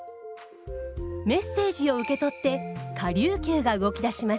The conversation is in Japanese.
メッセージを受け取って顆粒球が動き出します。